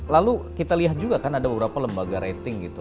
lalu kita lihat juga kan ada beberapa lembaga rating gitu